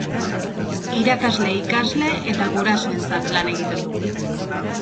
Irakasle, ikasle eta gurasoentzat lan egiten dugu.